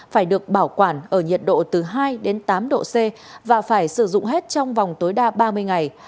phải được bảo quản ở nhiệt độ từ hai đến tám độ c và phải sử dụng hết trong vòng tối đa ba mươi ngày